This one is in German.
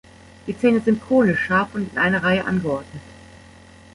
Die Zähne sind konisch, scharf und in einer Reihe angeordnet.